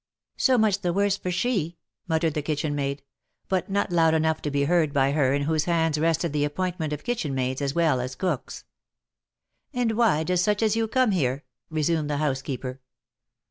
" So much the worse for she," muttered the kitchen maid ; but not loud enough to be heard by her in whose hands rested the appointment of kitchen maids as well as cooks. " And why does such as you come here?" resumed the house keeper.